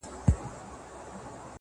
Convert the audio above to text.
اوس بيا د ښار په ماځيگر كي جادو،